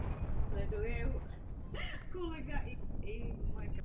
Je to také krize politická.